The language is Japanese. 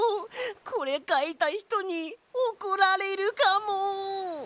これかいたひとにおこられるかも！